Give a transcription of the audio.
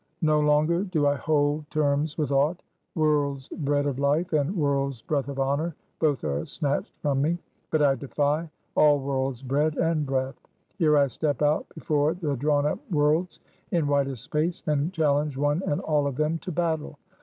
No longer do I hold terms with aught. World's bread of life, and world's breath of honor, both are snatched from me; but I defy all world's bread and breath. Here I step out before the drawn up worlds in widest space, and challenge one and all of them to battle!